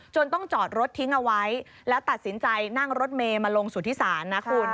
ต้องจอดรถทิ้งเอาไว้แล้วตัดสินใจนั่งรถเมย์มาลงสุธิศาลนะคุณ